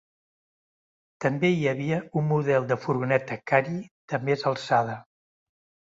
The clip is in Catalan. També hi havia un model de furgoneta Kary de més alçada.